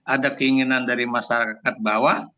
ada keinginan dari masyarakat bawah